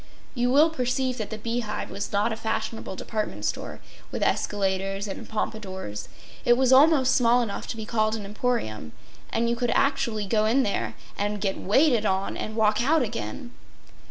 You will perceive that the Bee Hive was not a fashionable department store, with escalators and pompadours. It was almost small enough to be called an emporium; and you could actually go in there and get waited on and walk out again.